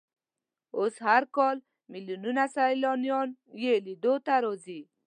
اوس هر کال ملیونونه سیلانیان یې لیدو ته راځي.